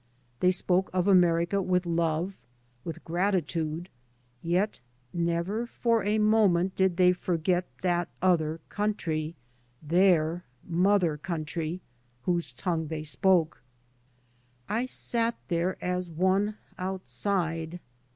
They spoke of America with love, with grati tude, yet never for a moment did they forget that other country — their " mother coun try " whose tongue they spoke. 3 by Google MY MOTHER AND I I sat there as one outside.